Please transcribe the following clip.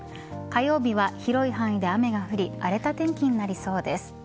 火曜日は広い範囲で雨が降り荒れた天気になりそうです。